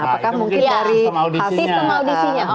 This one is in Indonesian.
apakah mungkin dari hasil audisinya